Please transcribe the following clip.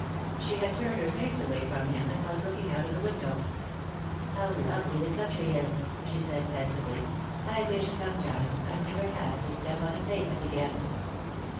She had turned her face away from him and was looking out of the window. "How lovely the country is," she said, pensively. "I wish sometimes I never had to step on a pavement again."